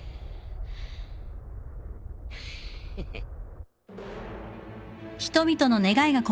ヘヘッ。